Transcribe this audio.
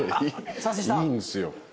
いいんすよ。